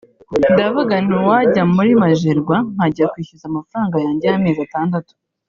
ndavuga nti uwajya muri Magerwa nkajya kwishyuza amafaranga yanjye y’amezi atandatu